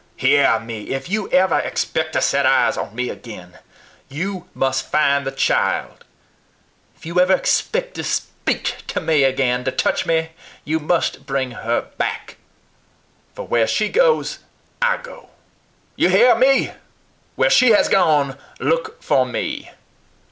"Hear me! If you ever expect to set eyes on me again, you must find the child. If you ever expect to speak to me again, to touch me, you must bring her back. For where she goes, I go; you hear me! Where she has gone, look for me."